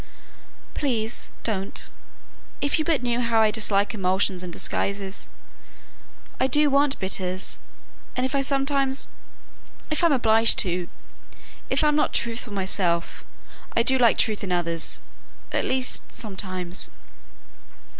"Please, don't. If you but knew how I dislike emulsions and disguises! I do want bitters and if I sometimes if I'm obliged to if I'm not truthful myself, I do like truth in others at least, sometimes."